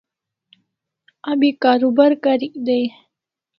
Abi karubar karik day